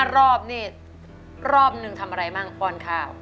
๕รอบนี่รอบนึงทำอะไรบ้างปอนด์คาว